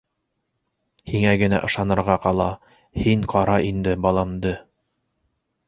Һиңә генә ышанырға ҡала, һин ҡара инде баламды!..